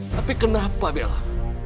tapi kenapa bella